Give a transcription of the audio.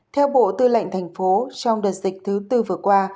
theo bộ tư lệnh thành phố trong đợt dịch thứ tư vừa qua